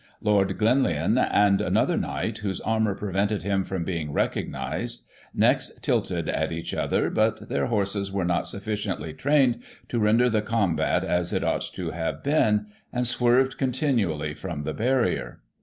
Lord Glenlyon and another knight, whose eirmour prevented him from being recognized, next tilted at each other, but their horses were not sufficiently trained to render the combat as it ought to have been, and swerved continually from the barrier.